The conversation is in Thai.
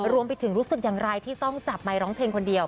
รู้สึกอย่างไรที่ต้องจับไมค์ร้องเพลงคนเดียว